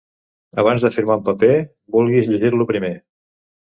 Abans de firmar un paper, vulguis llegir-lo primer.